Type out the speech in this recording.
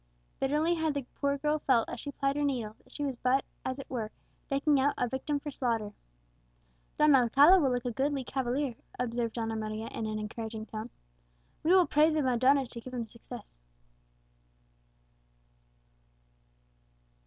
Bitterly had the poor girl felt, as she plied her needle, that she was but, as it were, decking out a victim for slaughter. "Don Alcala will look a goodly cavalier," observed Donna Maria in an encouraging tone. "We will pray the Madonna to give him success."